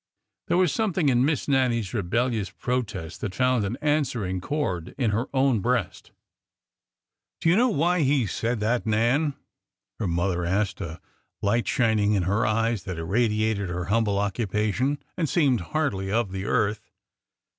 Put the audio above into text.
There was something in Miss Nannie's rebel lious protest that found an answering chord in her own breast. " Do you know why he said that. Nan ?" her mother asked, a light shining in her eyes that irradiated her hum ble occupation and seemed hardly of the earth.